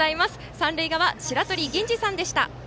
三塁側、白取ぎんじさんでした。